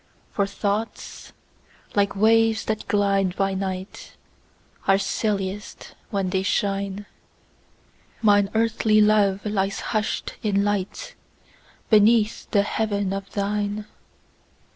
For thoughts, like waves that glide by night, Are stillest when they shine; Mine earthly love lies hush'd in lightBeneath the heaven of thine.